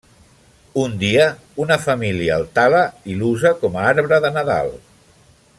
Un dia, una família el tala i l'usa com a Arbre de Nadal.